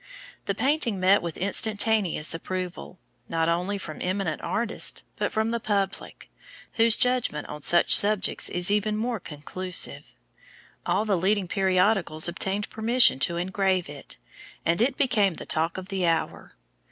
The painting met with instantaneous approval, not only from eminent artists, but from the public, whose judgment on such subjects is even more conclusive. All the leading periodicals obtained permission to engrave it, and it became the talk of the hour.